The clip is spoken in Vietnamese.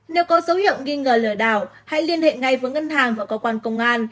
nếu có dấu hiệu nghi ngờ lừa đảo hãy liên hệ ngay với ngân hàng và cơ quan công an